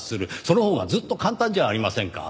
そのほうがずっと簡単じゃありませんか。